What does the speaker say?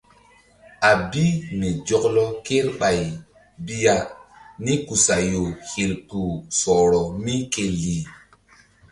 A bi mi zɔklɔ kreɓay bi ya nikusayo hil kpuh sɔhrɔ mí ke lih.